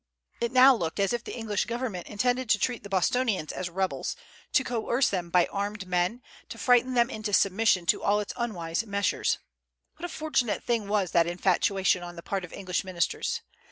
It now looked as if the English government intended to treat the Bostonians as rebels, to coerce them by armed men, to frighten them into submission to all its unwise measures. What a fortunate thing was that infatuation on the part of English ministers!